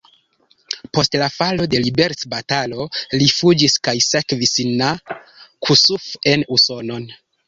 Post la falo de liberecbatalo li fuĝis kaj sekvis na Kossuth en Usonon.